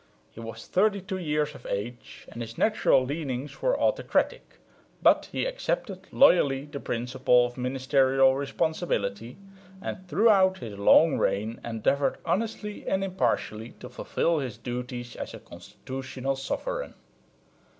He was thirty two years of age, and his natural leanings were autocratic; but he accepted loyally the principle of ministerial responsibility, and throughout his long reign endeavoured honestly and impartially to fulfil his duties as a constitutional sovereign.